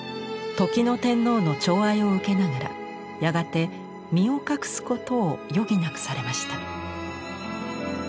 時の天皇の寵愛を受けながらやがて身を隠すことを余儀なくされました。